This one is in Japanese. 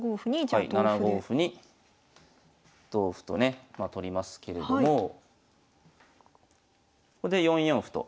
はい７五歩に同歩とねまあ取りますけれどもここで４四歩と。